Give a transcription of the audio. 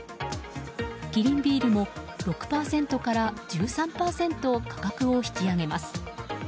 キリンビールも６％から１３％価格を引き上げます。